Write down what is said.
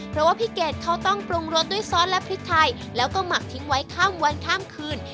เพราะว่าพี่เกดเขาต้องปรุงรสด้วยซอสและพริกไทยแล้วก็หมักทิ้งไว้ข้ามวันข้ามคืน